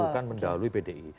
bukan mendahului pdi